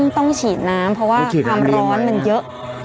ต้องฉีดน้ำเพราะว่าความร้อนมันเยอะ